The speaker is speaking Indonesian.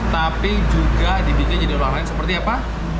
tapi juga dibikin jadi olahraga lain seperti apa